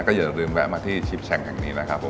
อย่าลืมแวะมาที่ชิปแช่งแห่งนี้นะครับผม